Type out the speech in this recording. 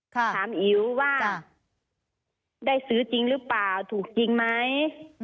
ถามอิ๋วว่าได้ซื้อจริงหรือเปล่าถูกจริงไหม